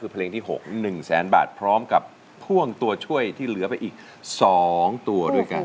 คือเพลงที่๖๑แสนบาทพร้อมกับพ่วงตัวช่วยที่เหลือไปอีก๒ตัวด้วยกัน